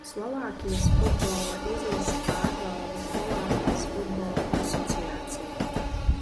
Slovākijas futbola izlasi pārvalda Slovākijas Futbola asociācija.